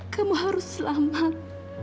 kamu harus selamat